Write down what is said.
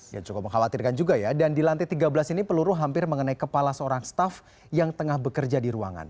ya cukup mengkhawatirkan juga ya dan di lantai tiga belas ini peluru hampir mengenai kepala seorang staff yang tengah bekerja di ruangan